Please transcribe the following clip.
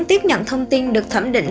tiếp nhận thông tin được thẩm định